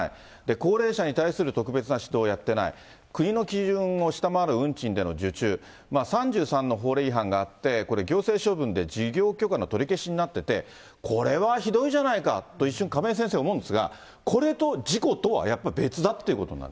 高齢者に対する特別な指導やってない、国の基準を下回る運賃での受注、３３の法令違反があって、これ行政処分で事業許可の取り消しになってて、これはひどいじゃないかと、一瞬、亀井先生、思うんですが、これと事故とはやっぱり別だっていうことになる？